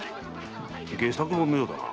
戯作本のようだな。